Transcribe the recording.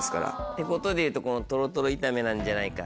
ってことで言うとこのとろとろ炒めなんじゃないか？